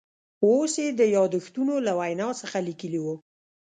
اوس یې د یاداشتونو له وینا څخه لیکلي و.